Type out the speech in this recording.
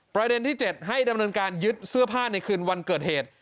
ประเด็นที่๗ให้ดำเนินการยึดเสื้อผ้าในคืนวันเกิดเหตุ